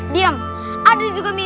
nama aku siapa